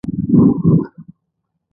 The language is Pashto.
بنیاد مو کې همسر نشته دی.